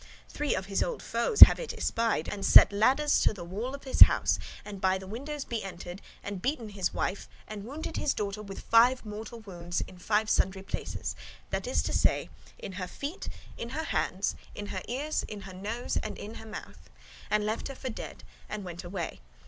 Three of his old foes have it espied, and set ladders to the walls of his house, and by the windows be entered, and beaten his wife, and wounded his daughter with five mortal wounds, in five sundry places; that is to say, in her feet, in her hands, in her ears, in her nose, and in her mouth; and left her for dead, and went away.